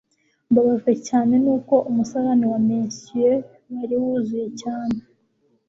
mbabajwe cyane nuko umusarani wa monsieur wari wuzuye cyane